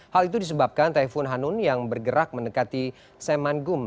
hal itu disebabkan taifun hanun yang bergerak mendekati saemanggum